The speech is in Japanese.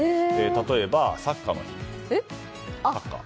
例えば、サッカーの日。